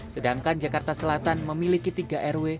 sedangkan jakarta selatan memiliki tiga rw